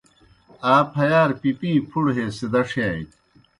آ پھیارہ پِپِیں پُھڑہ ہے سِدَڇِھیانیْ۔